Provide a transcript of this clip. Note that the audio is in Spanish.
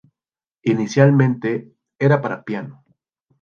Inicialmente, era para piano.